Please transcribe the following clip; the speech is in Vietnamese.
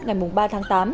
ngày ba tháng tám